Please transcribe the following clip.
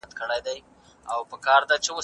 د دربار اشپزانو ته به هم کله ناکله ښځې ورکول کېدې.